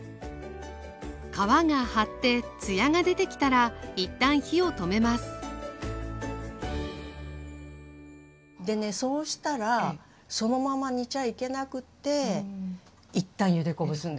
皮が張って艶が出てきたら一旦火を止めますでねそうしたらそのまま煮ちゃいけなくって一旦ゆでこぼすんですよ。